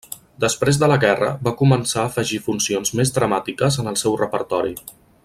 Després de la guerra, va començar a afegir funcions més dramàtiques en el seu repertori.